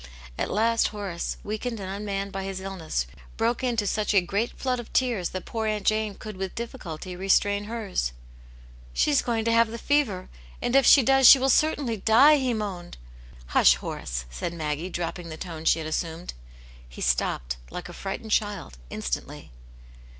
At last Horace, weakened and unmanned by his illness, broke into such a great flood of tears that poor Aunt Jane could with difficulty restrain hers. " She is going to have the fever, and if she does, she will certainly die," he moaned. " Hush, Horace !'* said Maggie, dropping the tone she had assumed. He stopped, like a frightened child, instantly.